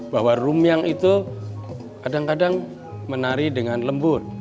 bahwa rumiang itu kadang kadang menari dengan lembut